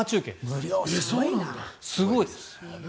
すごいです。